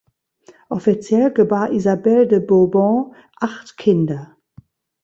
Offiziell gebar Isabel de Bourbon acht Kinder.